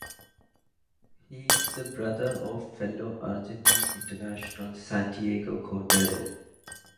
He is the brother of fellow Argentine international Santiago Cordero.